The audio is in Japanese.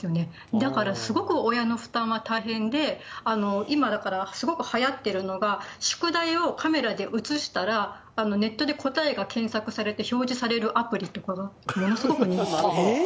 だからすごく親の負担は大変で、今、だからすごくはやっているのが、宿題をカメラで写したら、ネットで答えが検索されて表示されるアプリとかがものすごく人気だと。